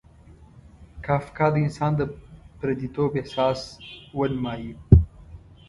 کافکا د انسان د پردیتوب احساس ونمایي.